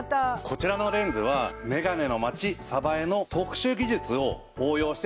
こちらのレンズはメガネの街江の特殊技術を応用して作られたものなんですね。